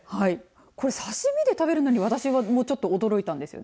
これ刺身で食べるのに私もちょっと驚いたんですよね。